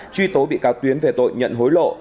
truy tố bị cáo tuyến về tội nhận hối lộ